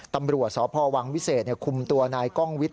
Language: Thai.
ตำรวจสพวังวิเศษคุมตัวนายกล้องวิทย